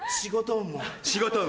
仕事運。